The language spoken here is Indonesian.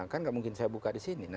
kan nggak mungkin saya buka di sini